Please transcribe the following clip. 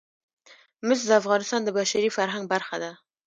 مس د افغانستان د بشري فرهنګ برخه ده.